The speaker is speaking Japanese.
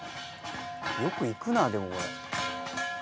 よく行くなでも。